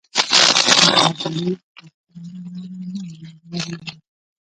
مقابلې عاقلانه لاره نه وه ورمعلومه.